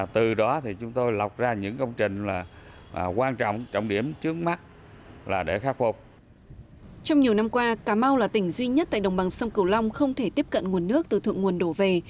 trong nhiều năm qua cà mau là tỉnh duy nhất tại đồng bằng sông cửu long không thể tiếp cận nguồn nước từ thượng nguồn đổ về